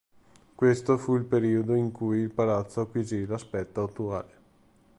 Questo fu il periodo in cui il palazzo acquisì l'aspetto attuale.